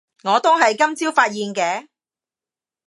我都係今朝發現嘅